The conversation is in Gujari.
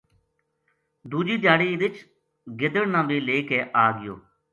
دوجی دھیاڑی رچھ گدڑ نا بھی لے کے آ گیو